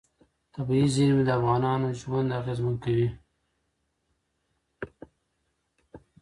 طبیعي زیرمې د افغانانو ژوند اغېزمن کوي.